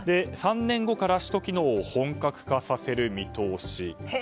３年後から首都機能を本格化させる見通し。